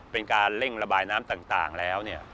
เป็นการเร่งระบายน้ำต่างแล้วเนี่ย